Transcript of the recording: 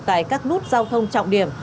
tại các nút giao thông trọng điểm